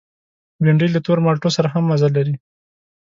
بېنډۍ له تور مالټو سره هم مزه لري